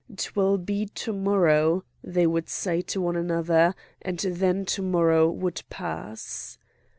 "'Twill be to morrow!" they would say to one another; and then to morrow would pass.